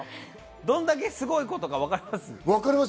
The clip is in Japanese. どんだけすごいことか分かります？